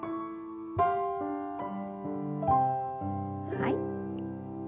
はい。